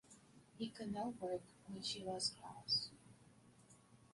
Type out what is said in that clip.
He could not work when she was cross.